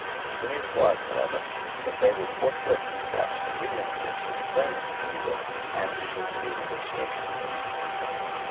The news was, however, that they would forthwith dispatch a new minister to explain this refusal and to renew negotiations.